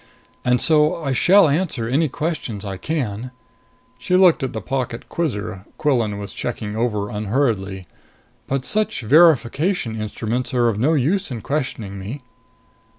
And so I shall answer any questions I can." She looked at the pocket quizzer Quillan was checking over unhurriedly. "But such verification instruments are of no use in questioning me."